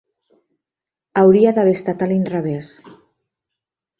Hauria d'haver estat a l'inrevés.